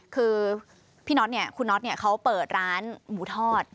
คือพี่น็อตเนี่ยคุณน็อตเขาเปิดร้านหมูทอด